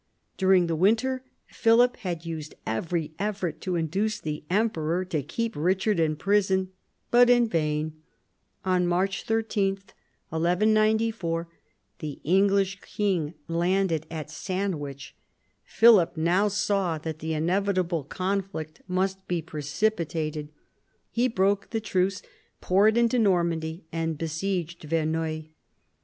During the winter Philip had used every effort to induce the emperor to keep Eichard in prison, but in vain. On March 13, 1194, the English king landed at Sandwich. Philip now saw that the inevitable conflict must be precipitated. He broke the truce, poured into Normandy, and besieged Verneuil.